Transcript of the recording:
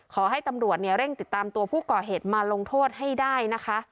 ขอให้ตำรวจเร่งติดตามตัวผู้ก่อเหตุมาลงโทษให้ได้นะคะ